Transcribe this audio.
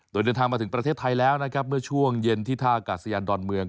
โดยเดินทางมาถึงประเทศไทยแล้วนะครับเมื่อช่วงเย็นที่ท่ากาศยานดอนเมือง